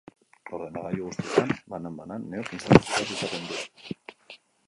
Ordenagailu guztietan, banan-banan, neuk instalatu behar izaten dut.